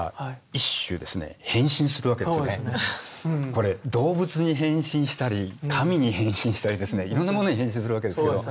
これ動物に変身したり神に変身したりですねいろんなものに変身するわけですよ。